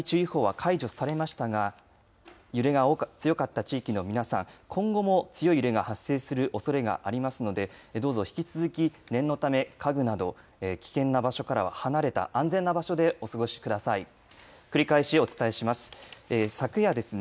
津波注意報は解除されましたが揺れが強かった地域の皆さん今後も強い揺れが発生するおそれがありますのでどうぞ引き続き、念のため家具など危険な場所からは離れた安全な場所でお過ごしください。